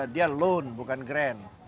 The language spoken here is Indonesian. dia loan bukan grant